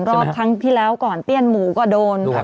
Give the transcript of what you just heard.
รอบครั้งที่แล้วก่อนเตี้ยนหมูก็โดน